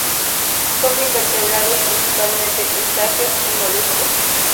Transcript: Come invertebrados, principalmente crustáceos y moluscos.